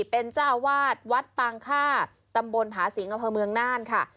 เป็นเจ้าอาวาสวัดปางค่าตำบลผาสิงอำเภอเมืองน่านค่ะ